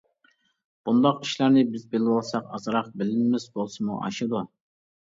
بۇنداق ئىشلارنى بىز بىلىۋالساق ئازراق بىلىمىمىز بولسىمۇ ئاشىدۇ.